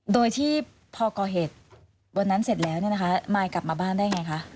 โดยที่พอก่อเหตุวันนั้นเสร็จแล้วเนี่ยนะคะมายกลับมาบ้านได้ไงคะ